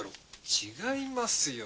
違いますよ。